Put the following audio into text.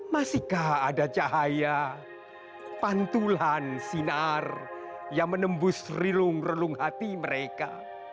masihkah ada cahaya pantulan sinar yang menembus rilung relung hati mereka